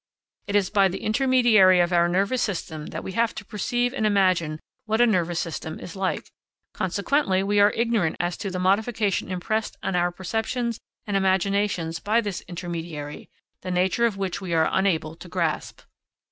It is by the intermediary of our nervous system that we have to perceive and imagine what a nervous system is like; consequently we are ignorant as to the modification impressed on our perceptions and imaginations by this intermediary, the nature of which we are unable to grasp.